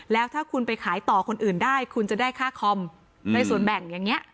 แล้วถ้าคุณไปขายต่อคนอื่นได้คุณจะได้ค่าคอมในส่วนแบ่งอย่างนี้